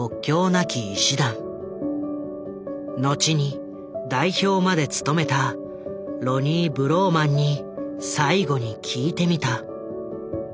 後に代表まで務めたロニー・ブローマンに最後に聞いてみた。